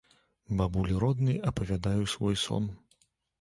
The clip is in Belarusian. Бабулі роднай апавядаю свой сон.